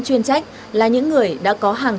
chuyên trách là những người đã có hàng